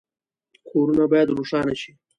کورونه باید روښانه شي